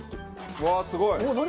うわあすごい！何？